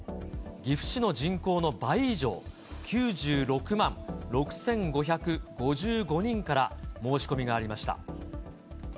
岐阜市の人口の倍以上、９６万６５５５人から申し込みがありました。